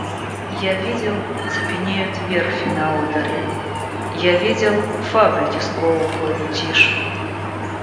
Я видел — цепенеют верфи на Одере, я видел — фабрики сковывает тишь.